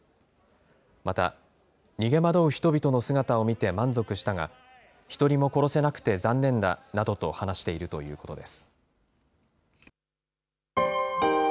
また逃げ惑う人々の姿を見て満足したが、１人も殺せなくて残念だなどと話しているということです。